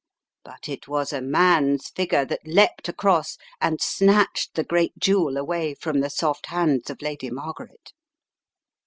But it was a man's figure that leaped across and snatched the great jewel away from the soft hands of Lady Margaret.